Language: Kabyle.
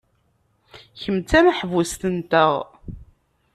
Kemm d tameḥbust-nteɣ.